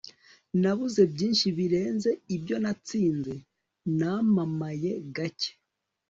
Nabuze byinshi birenze ibyo natsinze namamaye gake